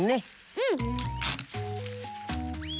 うん。